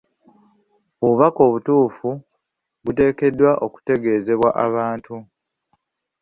Obubaka obutuufu buteekeddwa okutegeezebwa abantu.